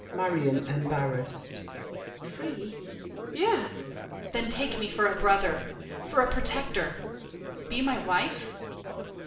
MARION (embarrassed). Free? Yes! DIDIER. Then take me for a brother, For a protector—be my wife?